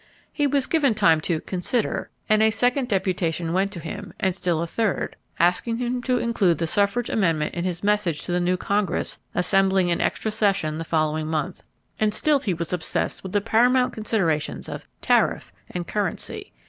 He was given time to "consider" and a second deputation went to him, and still a third, asking him to include the suffrage amendment in his message to the new Congress assembling in extra session the following month. And still he was obsessed with the paramount considerations of "tariff" and "currency."